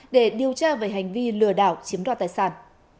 để điều tra về hành vi lừa đảo chiếm đoạt tài sản